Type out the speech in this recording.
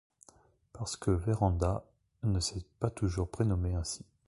Parce que Vérand’a ne s’est pas toujours prénommée ainsi.